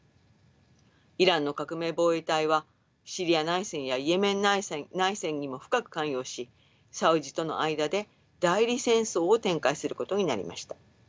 イランの革命防衛隊はシリア内戦やイエメン内戦にも深く関与しサウジとの間で代理戦争を展開することになりました。